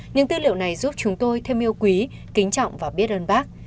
những tư liệu này giúp chúng tôi thêm yêu quý kính trọng và biết ơn bác